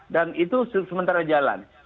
dan itu sementara jalan